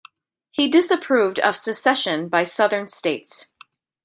He disapproved of secession by southern states.